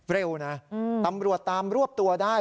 เร็วนะตำรวจตามรวบตัวได้